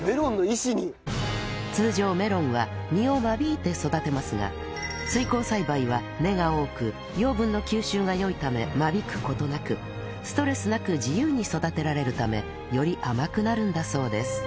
通常メロンは実を間引いて育てますが水耕栽培は根が多く養分の吸収が良いため間引く事なくストレスなく自由に育てられるためより甘くなるんだそうです